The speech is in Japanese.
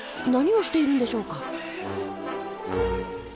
何をしているんでしょうか？